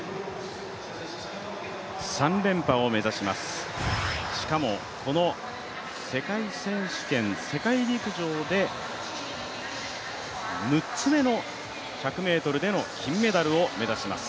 ３連覇を目材増す、しかもこの世界選手権、世界陸上で６つ目の１００ｍの金メダルを目指します。